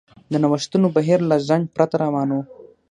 د نوښتونو بهیر له ځنډ پرته روان و.